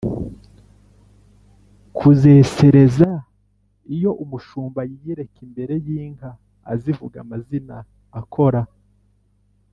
kuzesereza: iyo umushumba yiyereka imbere y’inka azivuga amazina akora